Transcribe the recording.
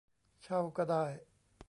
เช่าก็ได้